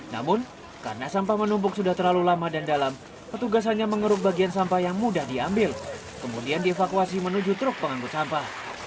namun karena sampah menumpuk sudah terlalu lama dan dalam petugas hanya mengeruk bagian sampah yang mudah diambil kemudian dievakuasi menuju truk pengangkut sampah